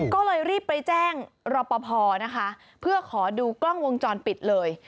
ก็เลยรีบไปแจ้งรอปภนะคะเพื่อขอดูกล้องวงจรปิดเลย